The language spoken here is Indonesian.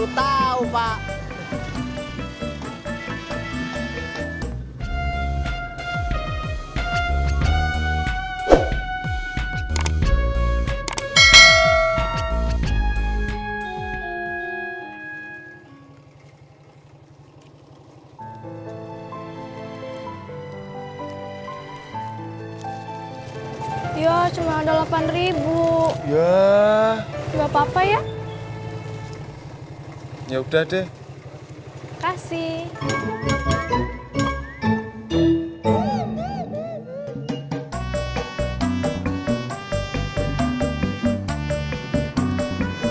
yo yo cuma ada delapan ribu ya bapak ya ya udah deh kasih